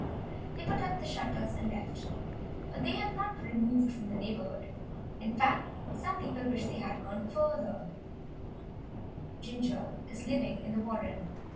They put up the shutters, and left. But they have not removed from the neighbourhood. In fact some people wish they had gone further. Ginger is living in the warren.